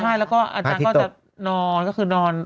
ใช่แล้วก็อาจารย์ก็จะนอนก็คือนอน